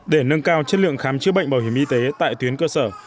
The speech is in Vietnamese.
để nâng cao chất lượng khám chữa bệnh bảo hiểm y tế tại tuyến cơ sở